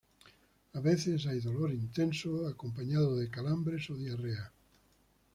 A veces hay dolor intenso, acompañado de calambres o diarrea.